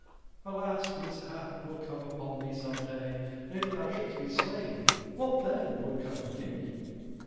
Alas! mishap will come upon thee some day, and if thou shouldst be slain, what then would come of me?"